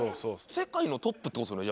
世界のトップって事ですよね？